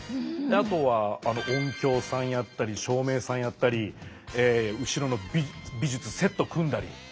あとは音響さんやったり照明さんやったり後ろの美術セット組んだり。